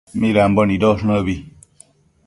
midambo nidosh nëbi